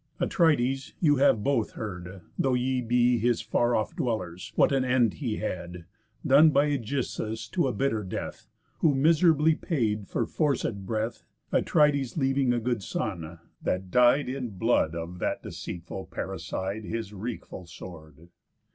Atrides, you have both heard, though ye be His far off dwellers, what an end had he, Done by Ægisthus to a bitter death; Who miserably paid for forcéd breath, Atrides leaving a good son, that dyed, In blood of that deceitful parricide, His wreakful sword.